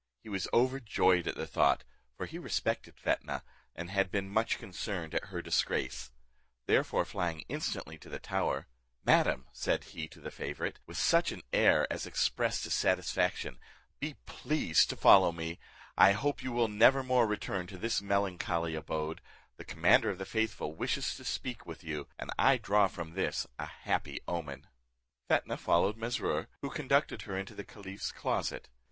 He was overjoyed at the thought, for he respected Fetnah, and had been much concerned at her disgrace; therefore flying instantly to the tower, "Madam," said he to the favourite, with such an air as expressed his satisfaction, "be pleased to follow me; I hope you will never more return to this melancholy abode: the commander of the faithful wishes to speak with you, and I draw from this a happy omen." Fetnah followed Mesrour, who conducted her into the caliph's closet.